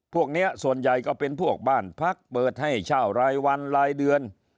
พวกนี้ส่วนใหญ่ก็เป็นพวกบ้านพักเปิดให้เช่ารายวันรายเดือน